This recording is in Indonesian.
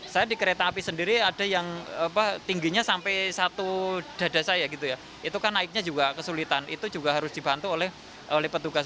saya di kereta api sendiri ada yang tingginya sampai satu dada saya gitu ya itu kan naiknya juga kesulitan itu juga harus dibantu oleh petugas